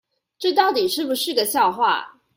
這到底是不是個笑話